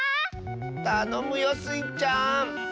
たのむよスイちゃん！